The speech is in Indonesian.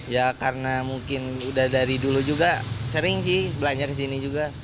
ya karena mungkin udah dari dulu juga sering sih belanja ke sini juga